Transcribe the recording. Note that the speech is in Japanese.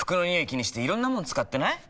気にしていろんなもの使ってない？